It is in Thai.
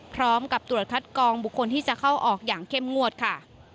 พร้อมกับตรวจคัดกองบุคคลที่จะเข้าออกอย่างเข้มงวดค่ะ